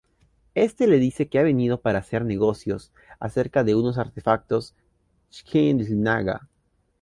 Este le dice que ha venido para hacer negocios acerca de unos artefactos Xel'Naga.